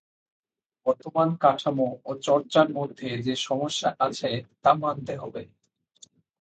বর্তমান কাঠামো ও চর্চার মধ্যে যে সমস্যা আছে, তা মানতে হবে।